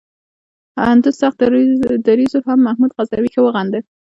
هندو سخت دریځو هم محمود غزنوي ښه وغنده.